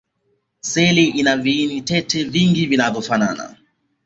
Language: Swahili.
seli hiyo ina viini tete vingi vinavyofanana